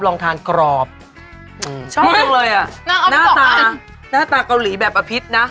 ลองทานกรอบชอบจังเลยอ่ะหน้าตาหน้าตาเกาหลีแบบอภิษนะ